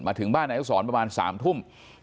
ถึงบ้านนายอนุสรประมาณ๓ทุ่ม